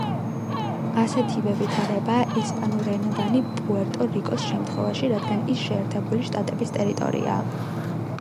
ასეთივე ვითარებაა ესპანურენოვანი პუერტო-რიკოს შემთხვევაში, რადგან ის შეერთებული შტატების ტერიტორიაა.